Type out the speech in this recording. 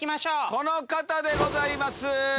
この方でございます。